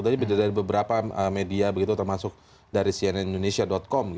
dari beberapa media termasuk dari cnn indonesia com